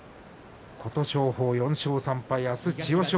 琴勝峰、４勝３敗明日は千代翔